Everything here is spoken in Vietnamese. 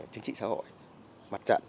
chính trị xã hội mặt trận